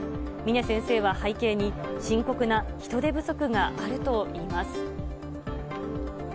峰先生は背景に、深刻な人手不足があるといいます。